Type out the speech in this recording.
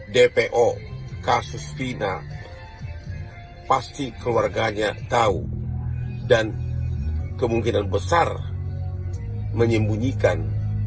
dpo kasus fina pasti keluarganya tahu dan kemungkinan besar menyembunyikan